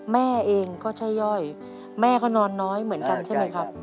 แม่เองก็ใช่ย่อยแม่ก็นอนน้อยเหมือนกันใช่ไหมครับ